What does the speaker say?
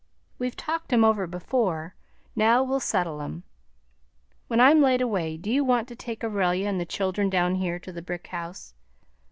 We've talked 'em over before; now we'll settle 'em. When I'm laid away, do you want to take Aurelia and the children down here to the brick house?